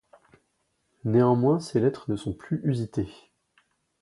Néanmoins ces lettres ne sont plus usitées.